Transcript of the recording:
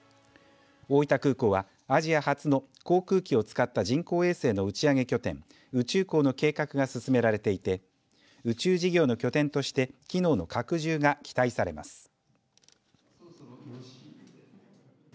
大分空港はアジア初の航空機を使った人工衛星の打ち上げと宇宙港の計画が進められていて宇宙事業の拠点として機能の拡充が期待されます。